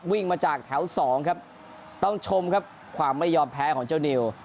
วิ่งมาจากแถวสองครับต้องชมครับความไม่ยอมแพ้ของเจ้านิว